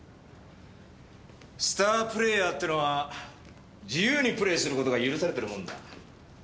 スタープレーヤーってのは自由にプレーする事が許されてるもんだ。